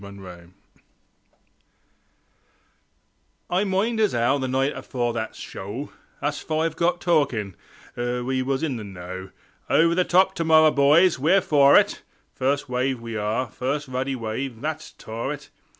The Chances I mind as 'ow the night afore that show Us five got talking, we was in the know, "Over the top to morrer; boys, we're for it, First wave we are, first ruddy wave; that's tore it."